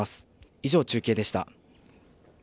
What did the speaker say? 以上、中継でした。